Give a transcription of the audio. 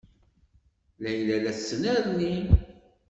Layla la tettnerni.